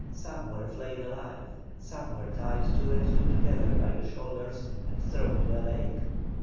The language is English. Some were flayed alive, some were tied two and two together by the shoulders and thrown into a lake.